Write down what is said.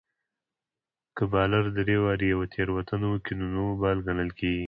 که بالر درې واري يوه تېروتنه وکي؛ نو نو بال ګڼل کیږي.